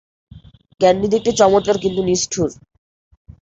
Candy দেখতে চমৎকার কিন্তু নিষ্ঠুর।